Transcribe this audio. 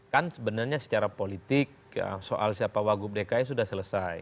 kan sebenarnya secara politik soal siapa wagub dki sudah selesai